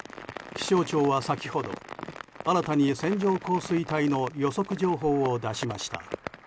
気象庁は先ほど新たに線状降水帯の予測情報を出しました。